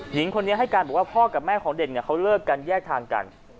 หญิงคนนี้ให้การบอกว่าพ่อกับแม่ของเด่นเขาเลิกกันแยกทางกัน